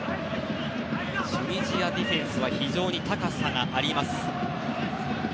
チュニジアディフェンスは非常に高さがあります。